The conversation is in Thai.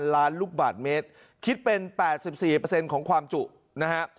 ล้านลูกบาทเมตรคิดเป็น๘๔ของความจุนะฮะ